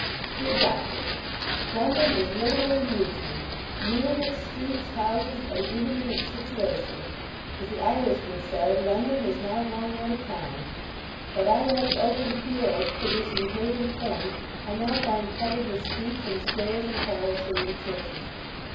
DEAR DOCTOR, London is literally new to me; new in its streets, houses, and even in its situation; as the Irishman said, 'London is now gone out of town.' What I left open fields, producing hay and corn, I now find covered with streets and squares, and palaces, and churches.